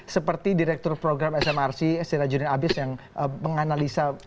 seperti direktur program smrc sira jodin abis yang menganalisa